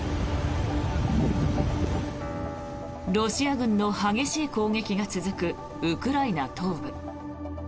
ロシア軍の激しい攻撃が続くウクライナ東部。